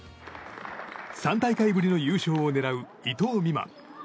３大会ぶりの優勝を狙う伊藤美誠。